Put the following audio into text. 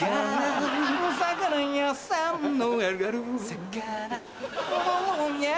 魚